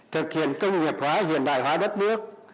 thực hiện công nghiệp hóa hiện đại hóa đất nước